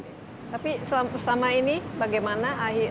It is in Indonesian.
tapi selama ini bagaimana